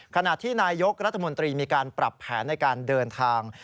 ขณะที่นายกรัฐมนตรีมีการปรับแผนในการเดินทาง